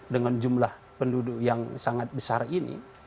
dengan jumlah penduduk yang sangat besar ini